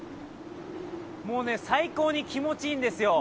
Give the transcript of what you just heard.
もうね最高に気持ちいいんですよ。